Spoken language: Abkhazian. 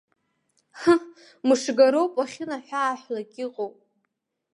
Ҳы, мшгароуп уахьынаҳәааҳәлак иҟоу!